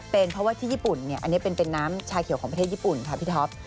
เป็นเพราะว่าที่ญี่ปุ่นเนี่ยอันนี้เป็นน้ำชาเขียวของประเทศญี่ปุ่นค่ะพี่ท็อป